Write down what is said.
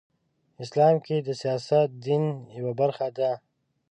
اسلام کې سیاست د دین یوه برخه ده .